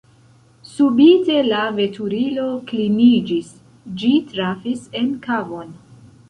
Subite la veturilo kliniĝis: ĝi trafis en kavon.